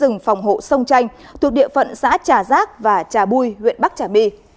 trong lâm phòng hộ sông tranh thuộc địa phận xã trà giác và trà bui huyện bắc trà my